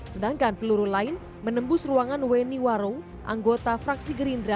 sedangkan peluru lain menembus ruangan weni warung anggota fraksi gerindra